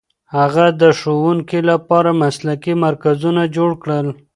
هغه د ښوونکو لپاره مسلکي مرکزونه جوړ کړل.